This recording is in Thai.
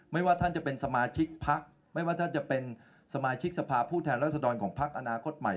ว่าท่านจะเป็นสมาชิกพักไม่ว่าท่านจะเป็นสมาชิกสภาพผู้แทนรัศดรของพักอนาคตใหม่